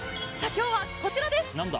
今日はこちらです！